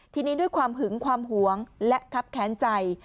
ทีนี้ด้วยความหึงความหวงและครับแค้นใจ